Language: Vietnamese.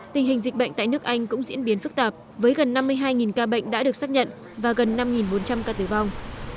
tình hình dịch bệnh tại nước anh cũng diễn biến phức tạp với gần năm mươi hai ca bệnh đã được xác nhận và gần năm bốn trăm linh ca tử vong